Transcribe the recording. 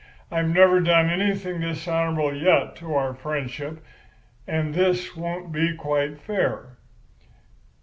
I've never done anything dishonourable yet to our friendship, and this won't be quite fair.